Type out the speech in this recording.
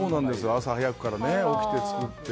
朝早くから起きて、作って。